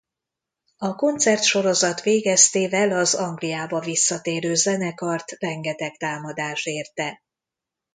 A koncertsorozat végeztével az Angliába visszatérő zenekart rengeteg támadás érte.